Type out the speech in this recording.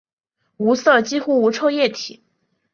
无色几乎无臭液体。